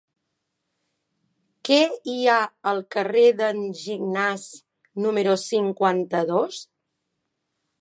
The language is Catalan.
Què hi ha al carrer d'en Gignàs número cinquanta-dos?